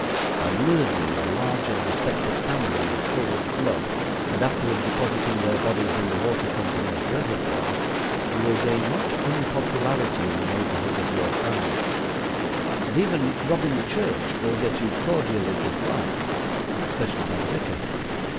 By murdering a large and respected family in cold blood and afterward depositing their bodies in the water companies' reservoir, you will gain much unpopularity in the neighborhood of your crime, and even robbing a church will get you cordially disliked, especially by the vicar.